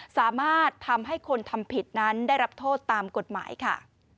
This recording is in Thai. สามารถทำให้คนทำผิดนั้นได้รับโทษตามกฎหมายค่ะ